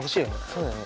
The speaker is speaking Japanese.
そうだね。